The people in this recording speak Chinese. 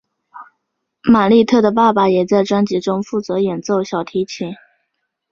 玛莉特的爸爸也在专辑中负责演奏小提琴。